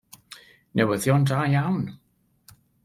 Newyddion da iawn.